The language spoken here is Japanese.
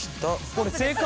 これ正解？